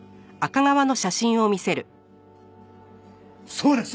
そうです！